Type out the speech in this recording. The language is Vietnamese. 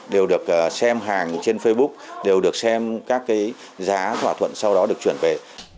đều được xem hàng trên facebook đều được xem các cái giá thỏa thuận sau đó được chuyển về